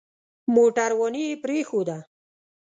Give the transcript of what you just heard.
موټرواني يې پرېښوده.